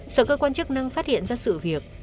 sở cơ quan chức năng phát hiện ra sự việc